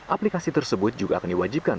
aplikasi tersebut juga akan diwajibkan